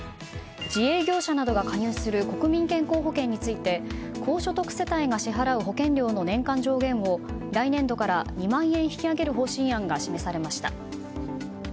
自営業者などが加入する国民健康保険について高所得世帯が支払う保険料の年間上限を来年度から２万円引き上げる方針案が示されました。